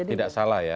tidak salah ya